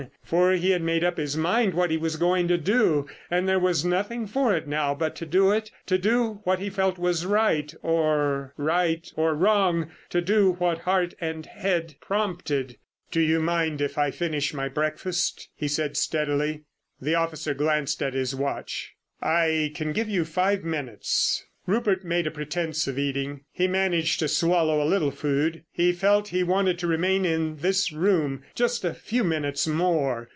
For he had made up his mind what he was going to do, and there was nothing for it now but to do it. To do what he felt was right. Or, right or wrong, to do what heart and head prompted. "Do you mind if I finish my breakfast?" he said steadily. The officer glanced at his watch. "I can give you five minutes." Rupert made a pretence of eating. He managed to swallow a little food. He felt he wanted to remain in this room just a few minutes more.